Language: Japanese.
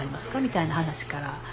みたいな話から。